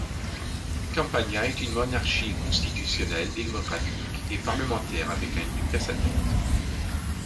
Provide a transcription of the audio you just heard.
Campania est une monarchie constitutionnelle démocratique et parlementaire avec un Duc à sa tête.